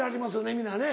皆ね。